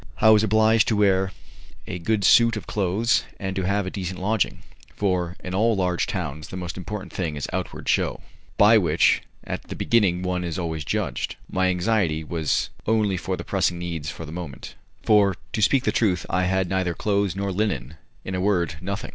I was obliged to wear a good suit of clothes, and to have a decent lodging; for in all large towns the most important thing is outward show, by which at the beginning one is always judged. My anxiety was only for the pressing needs of the moment, for to speak the truth I had neither clothes nor linen in a word, nothing.